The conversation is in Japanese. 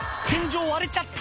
あっ、天井割れちゃった。